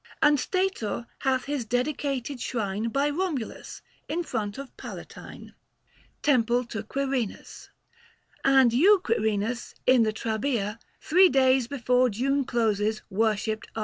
And Stator hath his dedicated shrine By Romulus, in front of Palatine. IV. KAL. JUL. TEMPLE TO QUIRINUS. And you, Quirinus, in the trabea, Three days before June closes, worshipped are. 060 Book VI. THE FASTI.